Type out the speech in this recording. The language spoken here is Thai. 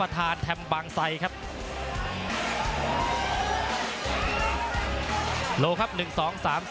รอคะแนนจากอาจารย์สมาร์ทจันทร์คล้อยสักครู่หนึ่งนะครับ